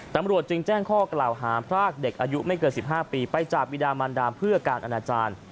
ตำรวจจึงแจ้งข้อกล่าวหาพรากเด็กอายุไม่เกิน๑๕ปีไปจากวิดามันดามเพื่อการอนาจารย์